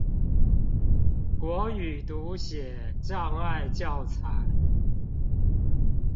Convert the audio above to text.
國語讀寫障礙教材